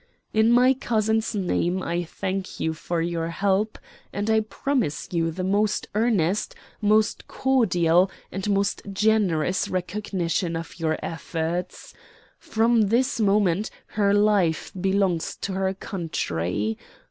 "In my cousin's name I thank you for your help, and I promise you the most earnest, most cordial, and most generous recognition of your efforts. From this moment her life belongs to her country.